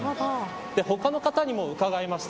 他の方にも伺いました。